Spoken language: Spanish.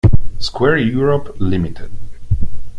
Square Europe, Ltd.